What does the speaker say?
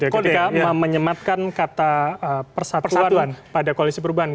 kode ketika menyematkan kata persatuan pada koalisi perubahan